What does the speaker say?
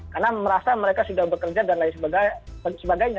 karena merasa mereka sudah bekerja dan lain sebagainya